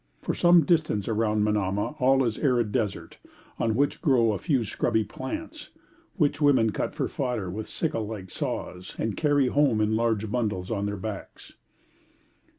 For some distance around Manamah all is arid desert, on which grow a few scrubby plants, which women cut for fodder with sickle like saws, and carry home in large bundles on their backs.